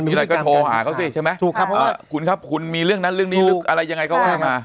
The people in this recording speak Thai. มีอะไรก็โทรหาเขาสิใช่ไหมถูกครับเพราะว่าคุณครับคุณมีเรื่องนั้นเรื่องนี้หรืออะไรยังไงก็ว่ามา